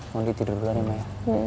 monde tidur dulu aja ya ma ya